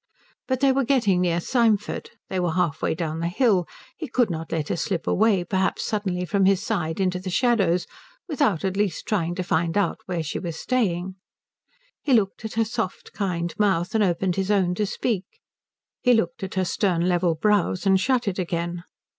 But they were getting near Symford; they were halfway down the hill; he could not let her slip away perhaps suddenly from his side into the shadows without at least trying to find out where she was staying. He looked at her soft kind mouth and opened his own to speak. He looked at her stern level brows and shut it again.